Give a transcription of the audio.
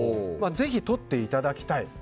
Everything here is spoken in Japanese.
ぜひ、とっていただきたい。